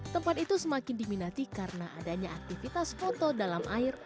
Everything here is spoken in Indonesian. tempat itu semakin diminati karena adanya aktivitas foto dalam air